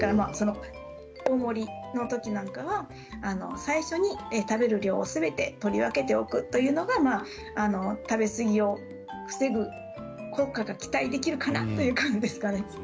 大盛りの時なんかは最初に食べる量をすべて取り分けておくということが食べ過ぎを防ぐ効果が期待できるかなという感じですかね。